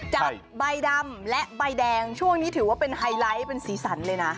ใบดำและใบแดงช่วงนี้ถือว่าเป็นไฮไลท์เป็นสีสันเลยนะ